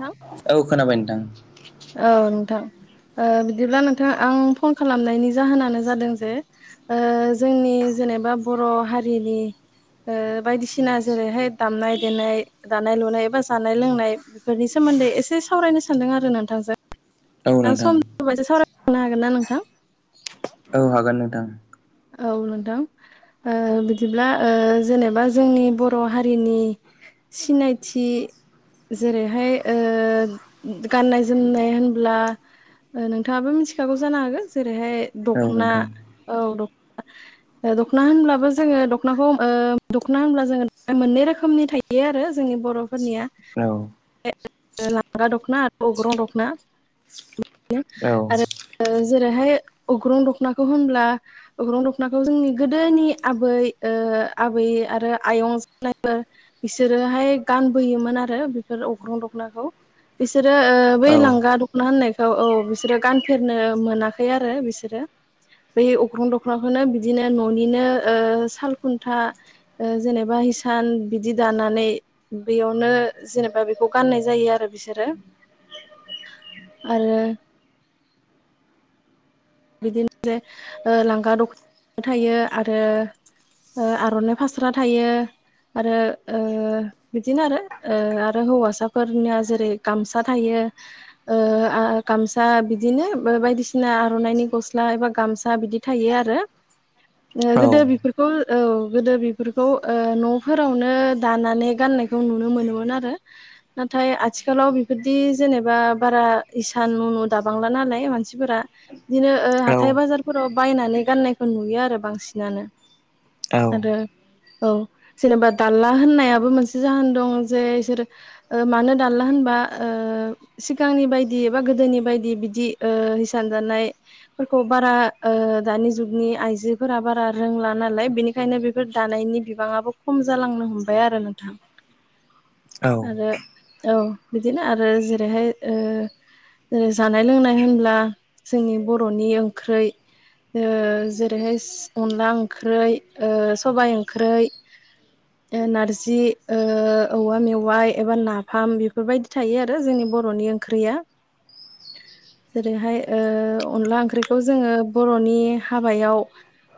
थां औ खोनाबाय नोंथां। औ नोंथां ओ बिदिब्ला नोंथां आं फन खालामनायनि जाहोनानो जादों जे ओ जोंनि जेनेबा बर' हारिनि ओ बायदिसिना जेरैहाय दामनाय देनाय, दानाय लुनाय बा जानाय लोंनाय बेफोरनि सोमोन्दै एसे सावरायनो सानदों आरोना नोंथांजों औ नोंथां सम दोङोब्ला सावरायलायनो हागोनना नोंथां? [unintelligible] औ हागोन नोंथां। औ नोंथां। ओ बिदिब्ला ओ जेनेबा जोंनि बर' हारिनि सिनायथि जेरैहाय ओ गाननाय जोमनाय होनब्ला ओ नोंथाङाबो मिथिखागौ जानो हागो जेरैहाय औ दखना नोंथां औ ओ दखना होनब्लाबो जोङो दखनाखौ ओ दखना होनब्ला जोङो मोननै रोखोमनि थायो [unintelligible] आरो जोंनि बर'फोरनिया। औ। लांगा दखना आरो अग्रं दखना [unintelligible] औ आरो ओ जेरैहाय अग्रं दखनाखौ होनब्ला अख्रं दखनाखौ जोंनि गोदोनि आबै ओ आबै आरो आयं जानायमोन बिसोरोहाय गानबोयोमोन आरो बेफोर अग्रं दखनाखौ बिसोरो ओ बे लांगा दख मा होनो इखौ औ बिसोरो गानफेरनो मोनाखै आरो बिसोरो बै अख्रं द खनाखोनो बिदिनो न'निनो ओ साल खुन्था ओ जेनेबा हिसान बिदि दानानै बेयावनो जेनेबा बेखौ गाननाय जायो आरो बिसोरो। आरो बिदिनो ओ लांगा दखना थायो आरो ओ आर'नाइ फास्रा थायो। आरो ओ बिदिनो आरो ओ आरो हौवासाफोरनिया जेरै गामसा थायो। ओ आ गामसा बिदिनो बो बायदिसिना आर'नाइनि गस्ला एबा गामसा बिदि थायो आरो औ गोदो बेफोरखौ औ गोदो बेफोरखौ ओ न'फोरावनो दानानै गाननाय जों नुनो मोनोमोन आरो नाथाय आथिखालाव बेफोरदि जेनेबा बारा इसान नु नु दाबांला नालाय मानसिफोरा बिदिनो ओ हाथाय बाजारफोराव बायनानै गाननायखौ नुयो आरो बांसिनानो औ आरो औ जेनेबा दालला होननायाबो मोनसे जाहोन दं जे इसोर ओ मानो दानला होनबा ओ सिगांनि बायदि एबा गोदोनि बायदि बिदि ओ हिसान दानाय फोरखौ बारा ओ दानि जुगनि आइजोफोरा बारा रोंला नालाय बेनि खायनो बेफोर दानायनि बिबाङाबो खम जालांनो हमबाय आरो नोंथां औ आरो औ बिदिनो आरो जेरैहाय जेरै जानाय लोंनाय होनब्ला जोंनि बर'नि ओंख्रै ओ जेरैहाय अनला ओंख्रै सबाय ओंख्रै [unintelligible] ओ नारजि ओ औवा मेवाइ एबा नाफाम बेफोरबायदि थायो आरो जोंनि बर'नि ओं ख्रिया जेरैहाय ओ अनला ओंख्रिखौ जोङो बर'नि हाबायाव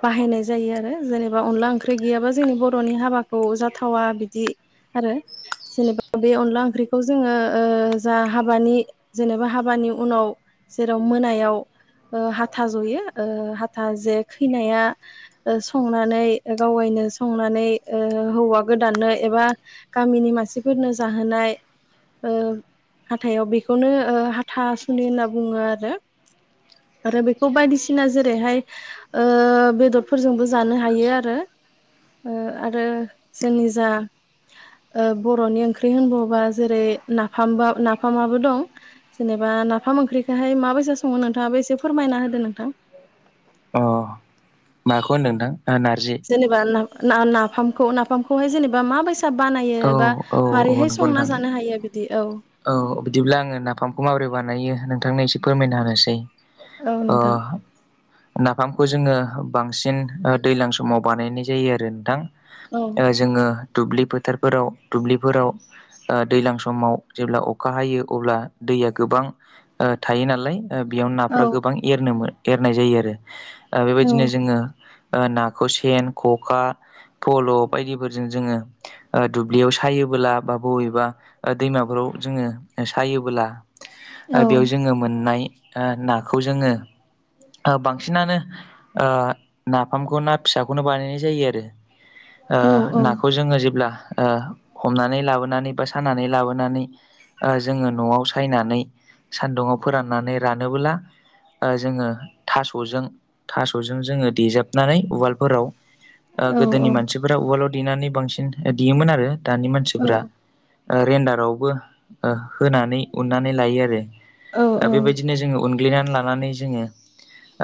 बाहायनाय जायो आरो जेनेबा अनला ओंख्रि गैयाबा जोंनि बर'नि हाबाखौ जाथावा बिदि आरो जेनेबा बे अनला ओंख्रिखौ जोङो ओ जा हाबानि जेनेबा हाबानि उनाव जेराव मोनायाव ओ हाथा जयो ओ हाथा जे खैनाया ओ संनानै गावायनो ओ संनानै हौवा गोदाननो एबा गामिनि मानसिफोरनो जाहोनाय ओ हाथाइाव बेखौनो हाथासुनि होनना बुङो आरो आरो बेखौ बायदिसिना जेरैहाय ओ बेदर फोरजोंबो जानो हायो आरो ओ आरो जोंनि जा ओ बर'नि ओंख्रि होनबबा जेरै नाफाम नाफामाबो दं जेनेबा नाफाम ओंख्रिखौहाय माबायसा सङो नोंथाङाब बो एसे फोरमायना होदो नोंथां अ माखौ होनदों नोंथां नारजि जेनेबा नाफामखौ नाफामखौहाय जेनेबा माबायसा बानायो औ एबा औ औ मारैहाय नंगौ संना नोंथां जानो हायो बिदि औ औ बिदिब्ला आङो नाफामखौ माबोरै बानायो नोंथांनो एसे फोरमायना होनोसै औ ओ नोंथां नाफामखौ जोङो बांसिन ओ दैज्लां समाव बानायनाय जायो आरो नोंथां औ ओ जोङो दुब्लि फोथारफोराव दुब्लिफोराव ओ दैज्लां समाव जेब्ला अखा हायो अब्ला दैया गोबां ओ थायो नालाय ओ बेयाव औ नाफ्रा गोबां एरनो एरनाय जायो आरो ओ औ बेबायदिनो जोङो ओ नाखौ सेन ख'खा फल' बायदिफोरजों जोङो ओ दुब्लियाव सायोबोला बा बबेबा दैमाफोराव जोङो सायोबोला औ ओ बेयाव जोङो मोननाय नाखौ जोङो ओ बांसिनानो ओ नाफामखौ ना फिसाखौनो बानायनाय जायो आरो ओ औ नाखौ जोङो जेब्ला हमनानै लाबो लाबोनानै बा सानानै लाबोनानै ओ जोङो न'आव सायनानै सान्दुङाव फोराननानै रानोब्ला ओ जोङो थास'जों थास'जों जोङो देजाबनानै उवालफोराव ओ औ गोदोनि मानसिफोरा उवालाव देनानै बांसिन देयोमोन आरो दानि औ मानसिफोरा ओ रेनदारावबो ओ होनानै उन्नानै लायो आरो बेबायदि दिनो जोङो उनग्ललिनानै लानानै जोङो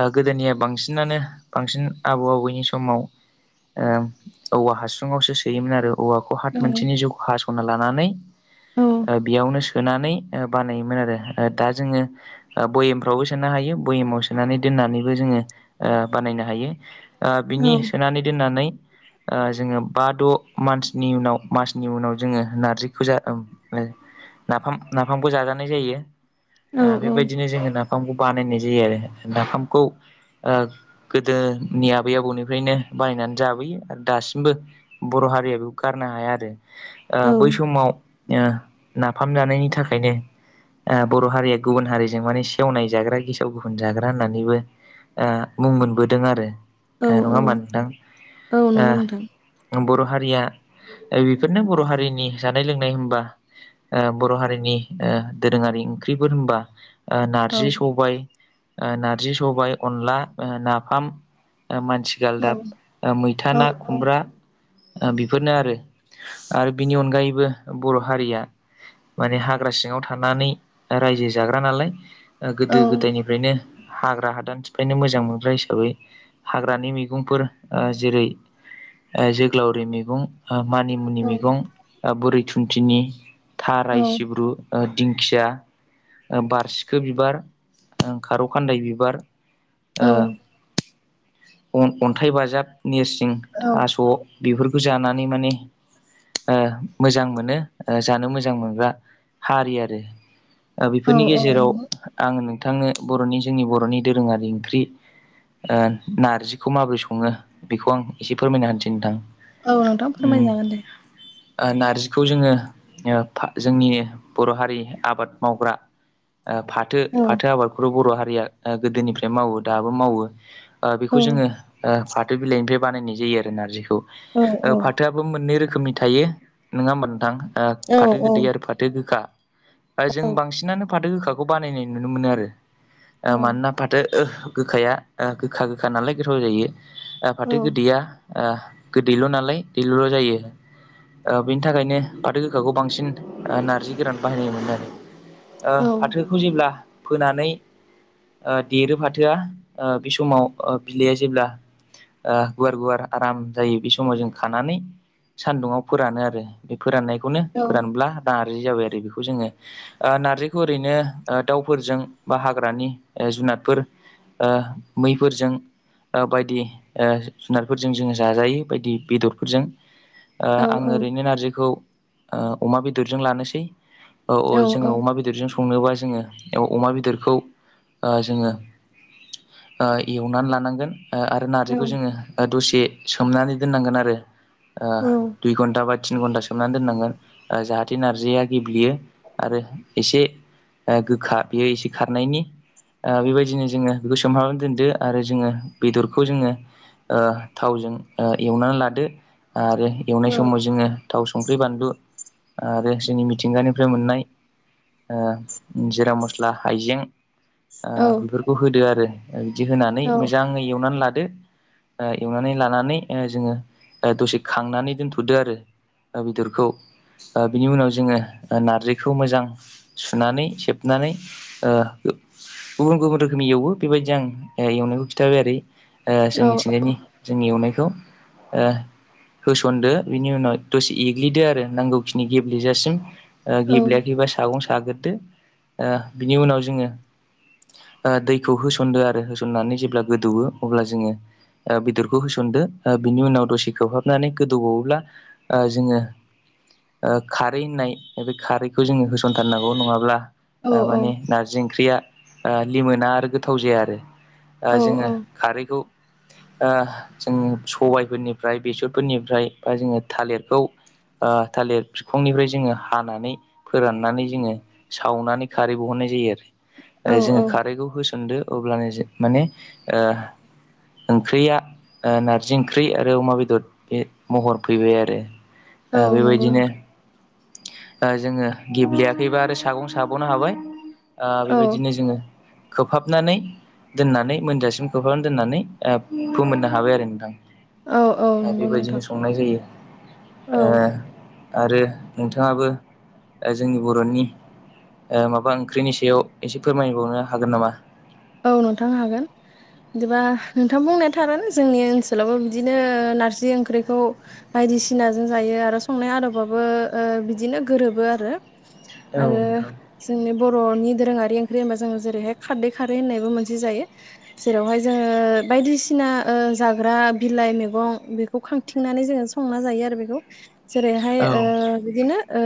ओ गोदोनिया बांसिनानो बांसिन आबौ आबौनि समाव ओ औवा हास्रुङावसो सोयोमोन आरो औवा खहाद मोनसेनि जिउखौ हास'ना लानानै बेयावनो सो नानै बानायोमोन आरो दा जोङो भयेमफ्रावबो सोनो हायो भेमाव सोनानै दोननानैबो जोङो बानायनो हायो ओ बिनि सोनानै दोननानै ओ जोङो बा द' मान्सनि उनाव मासनि उनाव ज जोङो नारजिखौ जा ओ नाफाम नाफामबो जाजानाय जायो बेबायदिनो जोङो नाफ फामखौ बानायनाय जायो आरो नाफामखौ ओ गोदोनि आबै आबौनिफ्रायनो बायनानै जाबोयो आरो दासिमबो बर' हारिया बेखौ गारनो हाया आरो बै समाव ओ‌ नाफाम जानायनि थाखायनो ओ बर' हारिया गुबुन हारिजों माने सेवनाय जाग्रा गेसेाव गुबुन जाग्रा होननानैबो ओ मुं मोनबोदों आरो औ नङा होमबा नोंथां औ आ नंगौ नोंथां बर' हारिया बेफोरनो बर' हारिनि जानाय लोंनाय होनबा बर' हारिनि दोरोङारि ओंख्रिफोर होनबा औ नारजि सबायाइ नारजि सबाय अनला नाफाम मानसि औ गालदाब मैथा औ ना खुमब्रा बेफोरनो आरो आरो बिनि अनगायैबो बर' हारिया माने हाग्रा सिङाव थानानै रायजो जाग्रा नालाय औ गोदो गोदायनिफ्राय ओरैनो हाग्रा हादान सिफायनो मोजां मोनग्रा हिसाबै हाग्रानि मैगंफोर जेरै जोगोलावरि मैगं मानिमुनि औ मैगं बुरै थुन्थिनि थाराइ सिब ब्रु दिंखिया बारसिखो बिबार खारौ खान्दाय बिबार औ ओ अन्थाइ बाजाब नेरसिं थास' बेफोरखौ जानानै माने मोजां मोनो जानो मोजां मोनग्रा हारि आरो औ बेफोरनि गेजेराव औ आङो नोंथांनो बर'नि जोंनि बर'नि दोरोङारि ओंख्रि ओ नारजिखौ माबोरै सङो बेखौ आं एसे फोरमायनो हानोसै नोंथां औ नोंथां उम फोरमायजागोन दे नारजिखौ जोङो जोंनि बर' हारि आबाद मावग्रा फाथो औ फाथो आबादखौथ' बर' हारिया गोदोनिफ्राय मावो दाबो मावो औ बेखौ जोङो फाथो बिलाइनिफ्राय बानायनाय जायो आरो नारजिखौ औ औ फाथोआ बो मोननै रोखोमनि थायो नङा होमबा नोंथां फाथो गोदै औ आरो फाथो गोखा जों बांसिनानो फाथो गोखाखौ बानायनाय नुनो मोनो आरो मानोना फाथो गोखाया गोखा गोखा नालाय गोथाव जायो फाथो गोदैया गोदैल' नालाय दैल'ल' जायो बेनि थाखायनो फाथो गोखाखौ बांसिन नार्जि गोरान बाहायनाय मोनोन आरो ओ औ फाथोखौ जेब्ला फोनानै देरो फाथोआ बे समाव बिलाइया जेब्ला गुवार गुवार आराम जायो बे समाव जों खानानै सानदुङाव फोरानो आरो बे फोराननायखौनो औ औ फोरानब्ला दा आरजि जाबाय आरो बेखौ जोङो नार्जिखौ ओरैनो दाउफोरजों बा हाग्रानि जुनादफोर ओ मैफोरजों बायदि जुनारफोरजों जोङो जाजायो बायदि बेदरफोरजों औ आङो ओरैनो नारजिखौ अमा बेदरजों लानोसै औ औ जोङो अमा बेदरजों संनोबा जोङो अमा बेदरखौ जोङो ओ एवनानै लानांगोन ओ आरो औ नारजिखौ जोङो दसे सोमनानै दोननांगोन आरो औ दुइ घन्टा बा थिन घन्टा सोमनानै दोननांगोन जाहाथे नार्जिया गेब्लेयो। आरो एसे गोखा बेयो एसे खारनायनि ओ बेबायदिनो जोङो बेखौ सोमहाबनानै दोनदो आरो जोङो बेदरखौ जोङो ओ थावजों एवनानै लादो आरो औ एवनाय समाव जोङो थाव संख्रि बानलु आरो जोंनि मिथिंगानिफ्राय मोननाय ओ जिरा मस्ला हाइजें औ बेफोरखौ होदो आरो बिदि होनानै औ मोजाङै एवनानै लादो ओ एवनानै लानानै जोङो दसे खांनानै दोनथ'दो आरो बेदरखौ बिनि उनाव जोङो नारजिखौ मोजां सुनानै सेबनानै ओ गुबुन गुबुन रोखोमनि एवो बेबायदि आं एवनायखौ खिन्थाबाय ओरै ओ औ जोंनिथिंजायनि जोंनि एवनायखौ ओ नयदो बिनि उनाव दसे एग्लिदो आरो नांगौखिनि गेब्लेजासिम। गेब्लेयाखैबा सागं साग्रोदो बिनि उनाव जोङो दैखौ होसनदो आरो होसननानै जेब्ला गोदौवो अब्ला जोङो ओ बेदरखौ होसनदो बिनि उनाव दसे खोबहाबनानै गोदौबावोब्ला ओ जोङो खारै होननाय बे खारैखौ जोङो होसनथारनांगौ नङाब्ला माने नारजि ओंख्रिया लिमोना आरो गोथाव जाया आरो जोङो खारैखौ ओ जोङो सबायफोरनिफ्राय बेसरफोरनिफ्राय बा जोङो थालिरखौ ओ थालिर बिखांनिफ्राय जोङो हानानै फोराननानै जोङो सावनानै खारै बहरनाय जायो औ आरो जोङो खारैखौ होसनदो। अब्लाजों माने ओ ओंख्रिया नारजि ओंख्रि आरो अमा बेदर बे महर फैबाय आरो औ ओ नंगौ बेबायदिनो नोंथां जोङो गेब्लेयाखैबा आरो सागं साबावनो हाबाय औ बेबायदिनो जोङो खोबहाबनानै दोननानै मोनजासिम खोबहाबनानै दोननानै फोमोननो हाबाय आरो नोंथां। औ औ आरो नंगौ बेबायदिनो नोंथां संनाय जायो औ ओ आरो नोंथाङाबो दा जोंनि बर'नि ओ माबा ओंख्रिनि सायाव एसे फोरमायबावनो हागोन नामा? औ नोंथां हागोन। बिदिबा नोंथां बुंनाय थारोन जोंनि ओनसोलावबो बिदिनो नारजि ओंख्रिखौ बायदिसिनाजों जायो आरो संनाय आदबाबो ओ बिदिनो गोरोबो आरो औ आरो नोंथां जोंनि बर'नि दोरोङारि ओंख्रि होनबा जोडों जेरैहाय खारदै खारै होननायबो मोनसे जायो। जेरावहाय जोङो बायदिसिना ओ जाग्रा बिलाइ मैगं बे बेखौ खांथिंनानै जोङो संना जायो आरो बेखौ जेरैहाय औ बिदिनो औ।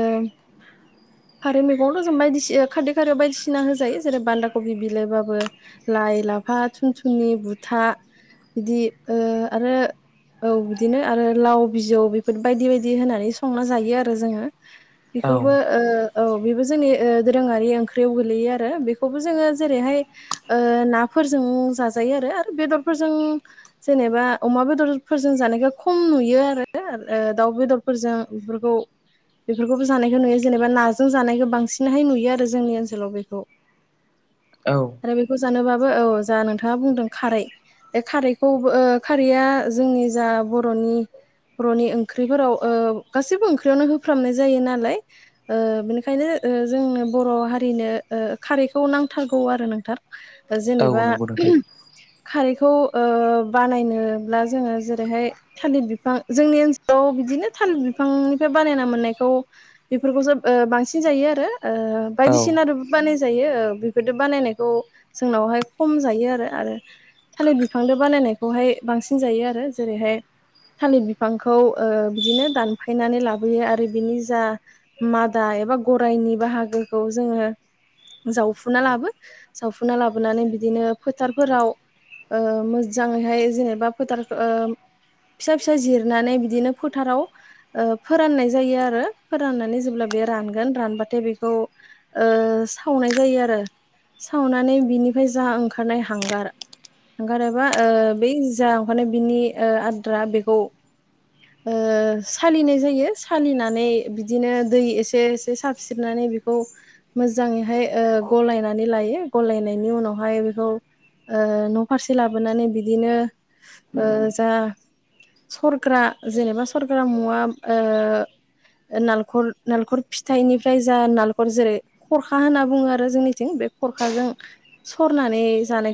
खारै मैगंथ' जों बायदिसिना खारदै खारियाव बायदिसिना होजायो जेरै बान्दा कबि बिलाइबाबो। लाइ, लाफा, थुन -थनि, बुथा बिदि ओ आरो औ बिदिनो आरो लाव बिजौ बेफोर बायदि बायदि होनानै संना जायो आरो जोङो। औ बेखौबो ओ औ बेबो जोंनि दोरोङारि ओंख्रियाव गोगलैयो आरो बेखौबो जोङो जेरैहाय ओ नाफोरजों जाजायो आरो आरो बेदरफोरजों जेनेबा अमा बेदरफोरजों जानायखौ खम नुयो आरो दाउ बेदर फोर बेफोरखौ बेफोरखौबो जानायखौ नुयो जेनेबा ना जों जानायखौ बांसिनहाय नुयो आरो जोंनि ओनसोलाव बेखौ। औ आरो बेखौ जानोबाबो औ जा नोंथाङा बुंदों खारै बे खारैखौबो ओ खारैया जोंनि जा बर'नि बर'नि ओंख्रिफोराव ओ गासैबो ओंख्रियावनो होफ्रामनाय जायो नालाय ओ बिनिखायनो ओ जोंनो बर' हारिनो ओ खारैखौ नांथारगौ आरो नोंथां। औ जेनेबा नंगौ नोंथां खारैखौ ओ बानायनोब्ला जोङो जेरैहाय थालिर बिफां जोंनि ओनसोलाव बिदिनो थालिर बिफांनिफ्राय बानायना मोननायखौ बेफोरखौसो ओ बांसिन जायो आरो ओ औ बायदिसिना बानायजायो बेफोर बानायनायखौ जोंनावहाय खम जायो आरो आरो थालिर बिफांदो बानायनायखौहाय बांसिन जायो आरो जेरैहाय थालिर बिफांखौ ओ बिदिनो दानफायनानै लाबोयो आरो बिनि जा मादा एबा गराइनि बाहागोखौ जोङो जावफुना लाबो जावफुना लाबोनानै बिदिनो फोथारफोराव ओ मोजाङैहाय जेनेबा फोथारखौ ओ फिसा फिसा जिरनानै बिदिनो फोथाराव ओ फोराननाय जायो आरो फोराननानै जो अब्ला बे रानगोन रानबाथाय बेखौ ओ सावनाय जायो आरो। सावनानै बिनिफ्राय जा ओंखारनाय हांगार ओंखारोबा ओ बै जा ओंखारनाय बिनि आद्रा बेखौ ओ सालिनाय जायो सालिनानै बिदिनो दै एसे एसे साब सिननानै बेखौ मोजाङैहाय ओ गलायनानै लायो गलायनायनि उनावहाय बेखौ ओ न'फारसे लाबोनानै बिदिनो ओ जा सरग्रा जेनेबा सरग्रा मुवा ओ नालेखर नालेखर फिथाइनिफ्राय जा नालेखर जेरै खरखा होनना बुङो आरो जोंनिथिं बे खरखाजों सरनानै जानायखौ